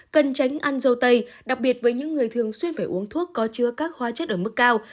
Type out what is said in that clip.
cần tránh ăn dâu tây đặc biệt với những người thường xuyên phải uống thuốc có chứa các hóa chất ở mức cao